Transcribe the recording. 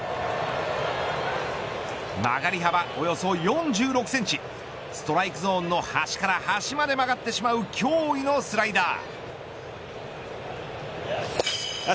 曲がり幅およそ４６センチストライクゾーンの端から端まで曲がってしまう驚異のスライダー。